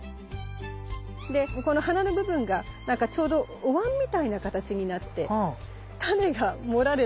でこの花の部分がちょうどおわんみたいな形になってタネが盛られた形になるんです。